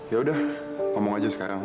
ya udah ngomong aja sekarang